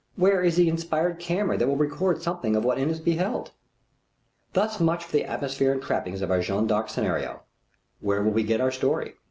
Where is the inspired camera that will record something of what Inness beheld? Thus much for the atmosphere and trappings of our Jeanne d'Arc scenario. Where will we get our story?